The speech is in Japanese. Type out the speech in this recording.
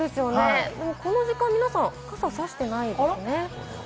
この時間、皆さん、傘差してないんですよね。